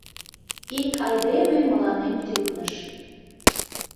Ик айдеме мыланем тӱкныш...